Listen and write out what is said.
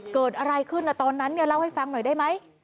เกิดอะไรขึ้นตอนนั้นเนี่ยเล่าให้ฟังหน่อยได้ไหม